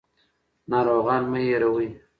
ناروغان مه هېروئ.